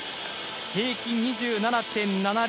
平均２７．７０。